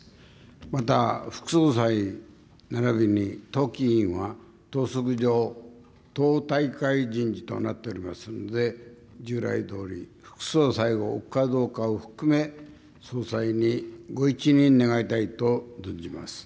また、副総裁ならびに党紀委員は党則上、党大会人事となっておりますので、従来どおり、副総裁を置くかどうかを含め、総裁にご一任願いたいと存じます。